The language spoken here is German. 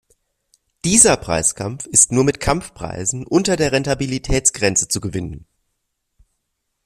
Dieser Preiskampf ist nur mit Kampfpreisen unter der Rentabilitätsgrenze zu gewinnen.